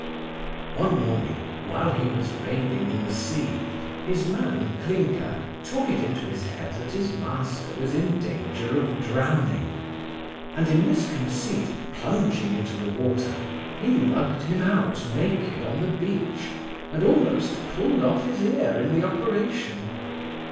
One morning, while he was bathing in the sea, his man Clinker took it in his head that his master was in danger of drowning; and, in this conceit, plunging into the water, he lugged him out naked on the beach, and almost pulled off his ear in the operation.